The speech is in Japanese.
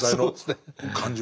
そうですね。